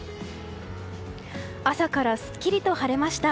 朝からすっきりと晴れました。